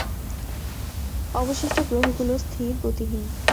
অবশিষ্ট গ্রহগুলো স্থির, গতিহীন।